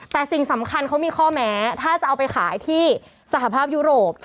แต่สิ่งสำคัญเขามีข้อแม้ถ้าจะเอาไปขายที่สหภาพยุโรป